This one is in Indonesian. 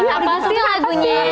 apa sih lagunya